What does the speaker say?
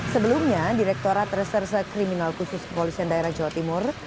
sebelumnya direkturat reserse kriminal khusus kepolisian daerah jawa timur